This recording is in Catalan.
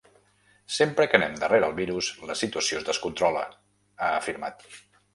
“Sempre que anem darrere el virus, la situació es descontrola”, ha afirmat.